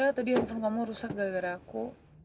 ya tadi handphone kamu rusak gara gara aku